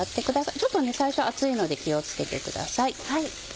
ちょっと最初熱いので気を付けてください。